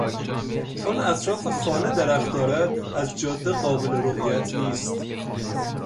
چون اطراف خانه درخت قرار دارد از جاده قابل رویت نیست.